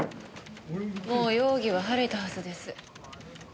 もう容疑は晴れたはずです。